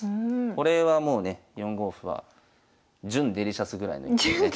これはもうね４五歩は準デリシャスぐらいの一手でね。